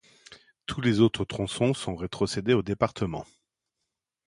Tous les autres tronçons sont rétrocédés aux départements.